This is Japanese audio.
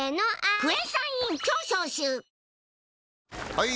・はい！